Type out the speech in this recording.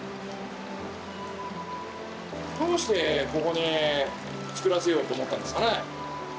どうしてここにつくらせようと思ったんですかね。